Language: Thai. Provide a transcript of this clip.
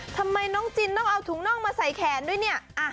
ทำไมน้องจินต้องเอาถุงน่องมาใส่แขนด้วยเนี่ย